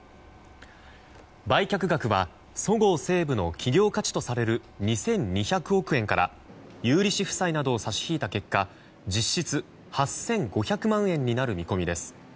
売却額はそごう・西武の企業価値とされる２２００億円から有利子負債などを差し引いた結果実質８５００万円になる見込みです。